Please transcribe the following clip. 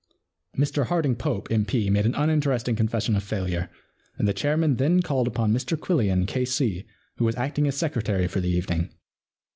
Mr Harding Pope, M.P., made an un interesting confession of failure, and the chairman then called upon Mr Quillian, K.C., who was acting as secretary for the evening.